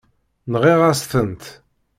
Nɣiɣ-as-tent.